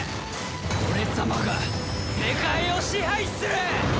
俺様が世界を支配する！